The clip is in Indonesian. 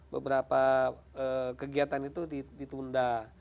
beberapa kegiatan itu ditunda